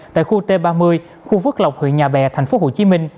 tại khu t ba mươi khu phước lộc huyện nhà bè tp hcm